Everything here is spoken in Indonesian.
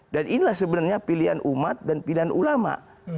dan inilah sebenarnya pilihan umat dan pilihan ulama